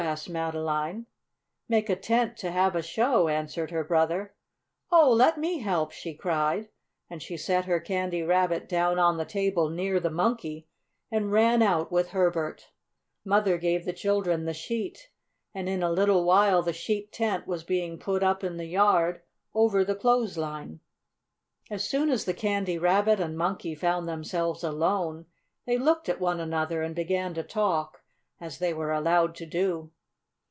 asked Madeline. "Make a tent to have a show," answered her brother. "Oh, let me help!" she cried, and she set her Candy Rabbit down on the table near the Monkey and ran out with Herbert. Mother gave the children the sheet, and in a little while the sheet tent was being put up in the yard over the clothesline. [Illustration: Monkey Thanks Jack in the Pulpit. Page 89] As soon as the Candy Rabbit and Monkey found themselves alone they looked at one another and began to talk, as they were allowed to do.